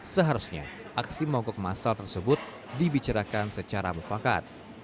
seharusnya aksi mogok masal tersebut dibicarakan secara mufakat